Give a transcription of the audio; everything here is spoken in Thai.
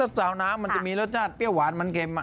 สาวน้ำมันจะมีรสชาติเปรี้ยวหวานมันเค็ม